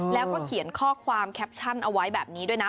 แล้วก็เขียนข้อความแคปชั่นเอาไว้แบบนี้ด้วยนะ